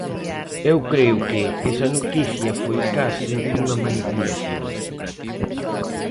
Eu creo que esa noticia foi case unha manipulación.